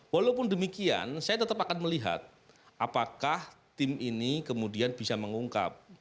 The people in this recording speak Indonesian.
walaupun demikian saya tetap akan melihat apakah tim ini kemudian bisa mengungkap